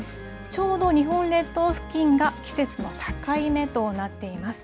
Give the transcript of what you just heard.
ちょうど日本列島付近が季節の境目となっています。